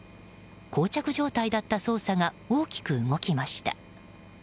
膠着状態だった捜査が大きく動きました。